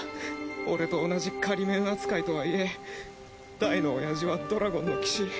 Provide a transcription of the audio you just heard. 俺と同じ仮免扱いとはいえダイの親父はドラゴンの騎士。